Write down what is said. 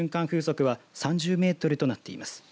風速は３０メートルとなっています。